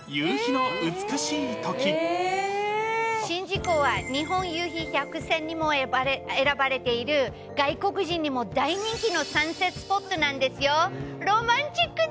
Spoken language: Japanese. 宍道湖は、日本夕陽百選にも選ばれている、外国人にも大人気のサンセットスポットなんですよ。